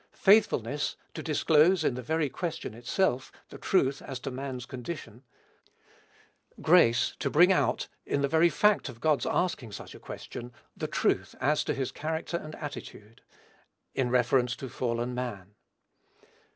Faithfulness, to disclose, in the very question itself, the truth as to man's condition: grace, to bring out, in the very fact of God's asking such a question, the truth as to his character and attitude, in reference to fallen man.